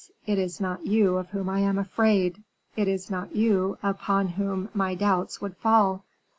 it is not you of whom I am afraid, it is not you upon whom my doubts would fall."